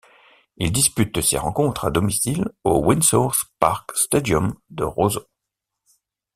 Il dispute ses rencontres à domicile au Windsor Park Stadium de Roseau.